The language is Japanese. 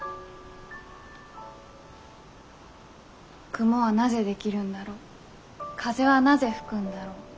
雲はなぜ出来るんだろう風はなぜ吹くんだろう。